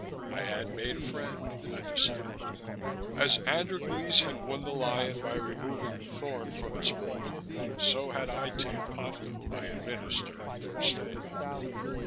I had made a friend, I decided. As Androcles had won the lion by removing the thorn from its paw, so had I tamed Ponto by administering first aid.